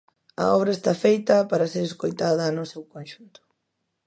A obra está feita para ser escoitada no seu conxunto.